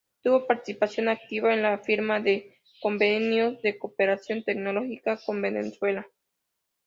Tuvo participación activa en la firma de convenios de cooperación tecnológica con Venezuela.